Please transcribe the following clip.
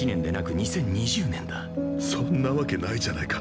そんなわけないじゃないか。